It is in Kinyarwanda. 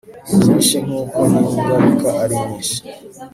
nibyinshi nkuko ningaruka ari nyinshi